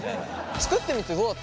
作ってみてどうだった？